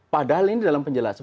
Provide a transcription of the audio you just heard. padahal ini dalam penjelasan